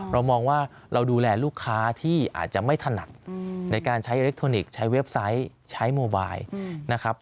เรามองว่าเราดูแลลูกค้าที่อาจจะไม่ถนัดในการใช้อิเล็กทรอนิกส์ใช้เว็บไซต์ใช้โมบายนะครับ